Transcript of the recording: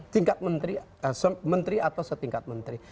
tingkat menteri atau setingkat menteri